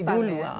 ini dulu ya